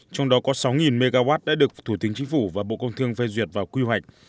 trong đó có sáu mw đã được thủ tướng chính phủ và bộ công thương phê duyệt vào quy hoạch